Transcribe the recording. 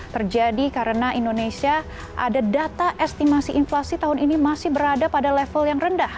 terjadi karena indonesia ada data estimasi inflasi tahun ini masih berada pada level yang rendah